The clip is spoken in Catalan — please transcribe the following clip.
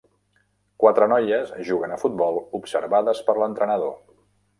Quatre noies juguen a futbol observades per l'entrenador.